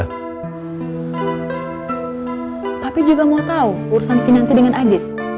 pak wali kota juga mau tau urusan kinanti dengan adit